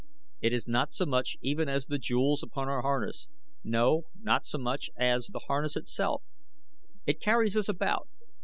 It is not so much even as the jewels upon our harness; no, not so much as the harness itself. It carries us about.